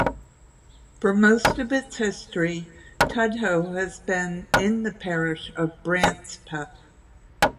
For most of its history, Tudhoe has been in the parish of Brancepeth.